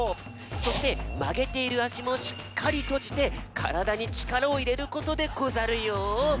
そしてまげているあしもしっかりとじてからだにちからをいれることでござるよ。